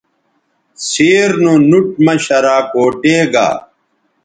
سیر نو نُوٹ مہ شراکوٹے گا